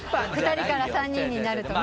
２人から３人になるとね。